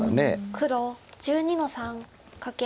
黒１２の三カケ。